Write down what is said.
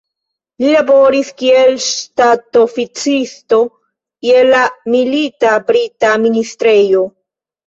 Li laboris, kiel ŝtatoficisto je la milita brita ministrejo.